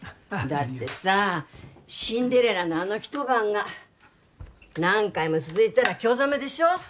だってさシンデレラのあの一晩が何回も続いたら興ざめでしょ